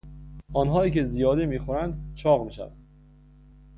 آنهایی که زیادی میخورند چاق میشوند.